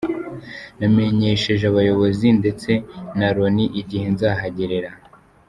Namenyesheje abayobozi ndetse na Loni igihe nzahagerera.”